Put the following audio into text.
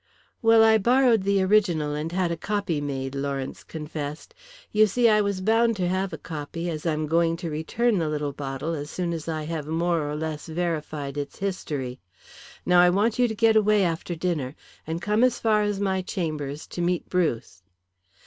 "Well, I borrowed the original and had a copy made," Lawrence confessed. "You see I was bound to have a copy, as I am going to return the little bottle as soon as I have more or less verified its history. Now I want you to get away after dinner and come as far as my chambers to meet Bruce."